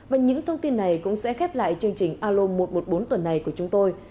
và những thông tin này cũng sẽ khép lại chương trình alo một trăm một mươi bốn tuần này của chúng tôi